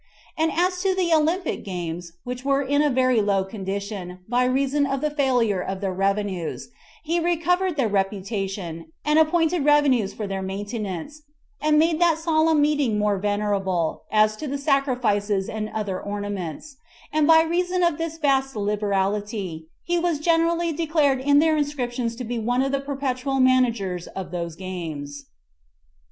And as to the olympic games, which were in a very low condition, by reason of the failure of their revenues, he recovered their reputation, and appointed revenues for their maintenance, and made that solemn meeting more venerable, as to the sacrifices and other ornaments; and by reason of this vast liberality, he was generally declared in their inscriptions to be one of the perpetual managers of those games.